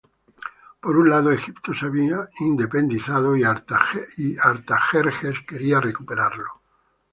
Por un lado, Egipto se había independizado y Artajerjes quería recuperarlo.